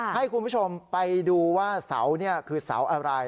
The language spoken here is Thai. ให้คุณผู้ชมไปดูว่าเสานี่คือเสาอะไร